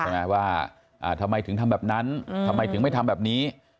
ใช่ไหมว่าอ่าทำไมถึงทำแบบนั้นอืมทำไมถึงไม่ทำแบบนี้